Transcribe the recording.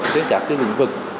tất cả các lĩnh vực